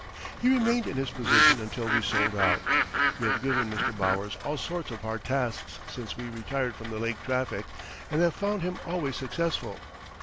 He remained in his position until we sold out. We have given Mr. Bowers all sorts of hard tasks since we retired from the lake traffic and have found him always successful.